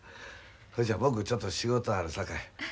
それじゃ僕ちょっと仕事あるさかい。